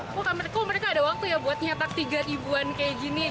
oh kamarku mereka ada waktu ya buat nyetak tiga ribuan kayak gini